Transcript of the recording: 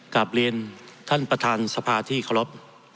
กลับเรียนท่านประธานสภาที่เคารพ